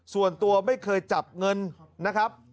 ส่วนตัวไม่เคยจับเงินนะครับ